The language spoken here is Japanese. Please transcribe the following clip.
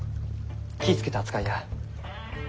気ぃ付けて扱いや。